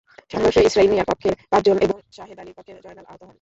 সংঘর্ষে ইসরাহিল মিয়ার পক্ষের পাঁচজন এবং সাহেদ আলীর পক্ষের জয়নাল আহত হন।